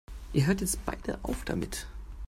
Ihr hört jetzt beide auf damit!